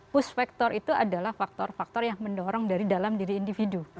push factor itu adalah faktor faktor yang mendorong dari dalam diri individu